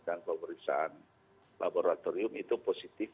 dan pemeriksaan laboratorium itu positif